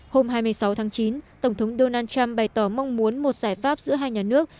hôm hai mươi sáu tháng chín tổng thống donald trump bày tỏ mong muốn một giải pháp giữa hai nhà nước